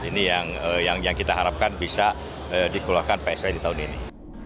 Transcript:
ini yang kita harapkan bisa dikeluarkan pssi di tahun ini